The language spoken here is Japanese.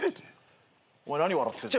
お前何笑ってんだ。